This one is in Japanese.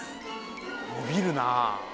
伸びるなあ。